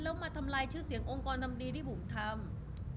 แล้วมาทำลายชื่อเสียงองค์กรทำดีที่ผมทำ